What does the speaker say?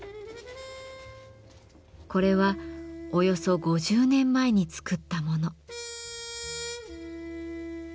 これはおよそ５０年前に作った物。